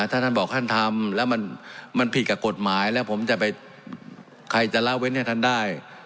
ถ้าท่านบอกท่านทำแล้วมันผิดกับกฎหมายแล้วผมจะไปใครจะละเว้นให้ท่านได้